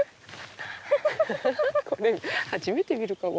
これ初めて見るかも。